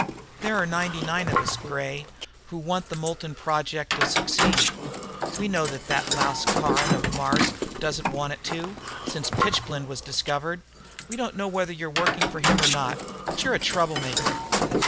"There are ninety nine of us, Gray, who want the Moulton Project to succeed. We know that that louse Caron of Mars doesn't want it to, since pitchblende was discovered. We don't know whether you're working for him or not, but you're a troublemaker.